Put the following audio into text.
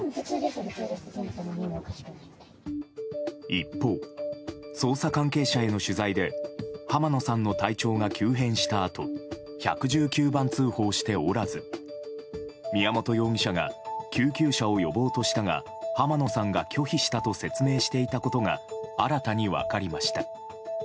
一方、捜査関係者への取材で浜野さんの体調が急変したあと１１９番通報しておらず宮本容疑者が救急車を呼ぼうとしたが浜野さんが拒否したと説明していたことが新たに分かりました。